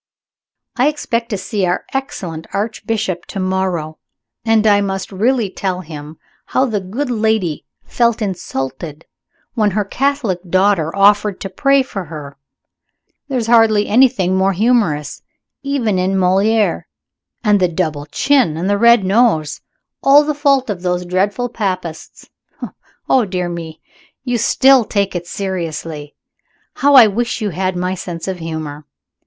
I expect to see our excellent Archbishop to morrow, and I must really tell him how the good lady felt insulted when her Catholic daughter offered to pray for her. There is hardly anything more humorous, even in Moliere. And the double chin, and the red nose all the fault of those dreadful Papists. Oh, dear me, you still take it seriously. How I wish you had my sense of humor!